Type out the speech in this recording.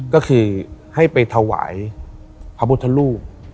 ก็คือให้ไปถวายพระพุทธรูป